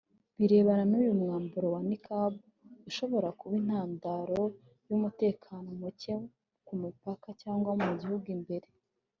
birebana n’uyu mwambaro wa Niqab ushobora kuba intandaro y’umutekano muke ku mipaka cyangwa mu gihugu imbere